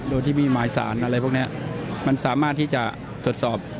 โดยที่มีหมายสารอะไรพวกนี้มันสามารถที่จะตรวจสอบ